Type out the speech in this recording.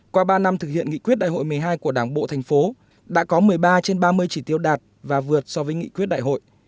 qua ba năm thực hiện nghị quyết đại hội một mươi hai của đảng bộ thành phố đã có một mươi ba trên ba mươi chỉ tiêu đạt và vượt so với nghị quyết đại hội